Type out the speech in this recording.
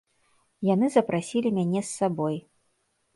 Яны запрасілі мяне з сабой.